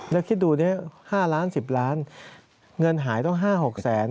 แล้วคิดดู๕ล้าน๑๐ล้านเงินหายต้อง๕๖แสน